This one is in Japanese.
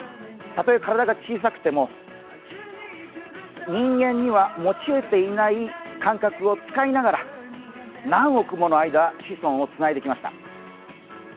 たとえ体が小さくても人間には持ち得ていない感覚を使いながら、何億もの間子孫をつないできました。